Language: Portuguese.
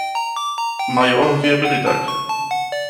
Maior viabilidade